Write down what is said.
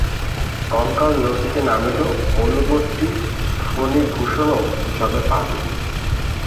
কঙ্কাল নদীতে নামিল, অনুবর্তী ফণিভূষণও জলে পা দিল।